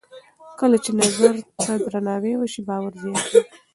کله چې نظر ته درناوی وشي، باور زیاتېږي.